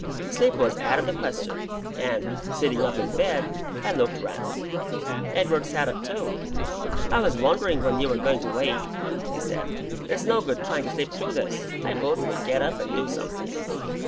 Sleep was out of the question, and, sitting up in bed, I looked round. Edward sat up too. "I was wondering when you were going to wake," he said. "It's no good trying to sleep through this. I vote we get up and do something."